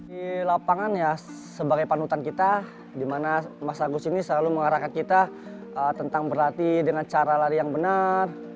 di lapangan ya sebagai panutan kita di mana mas agus ini selalu mengarahkan kita tentang berlatih dengan cara lari yang benar